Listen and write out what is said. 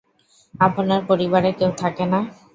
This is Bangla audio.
আপনার পরিবারে কেউ থাকে না?